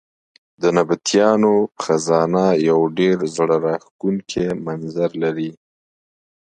د نبطیانو خزانه یو ډېر زړه راښکونکی منظر لري.